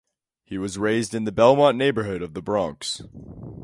He was raised in the Belmont neighborhood of the Bronx.